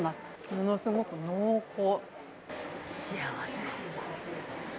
ものすごく濃厚。